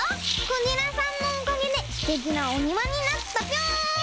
クジラさんのおかげですてきなおにわになったぴょん！